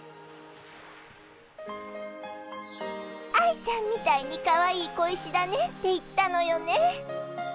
愛ちゃんみたいにかわいい小石だねって言ったのよね。